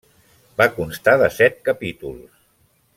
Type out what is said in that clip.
Va constar de set capítols.